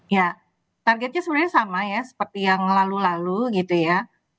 ya targetnya sebenarnya sama ya seperti yang lalu lalu gitu ya